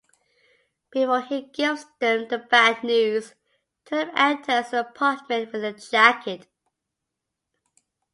Before he gives them the bad news, Tulip enters the apartment with a jacket.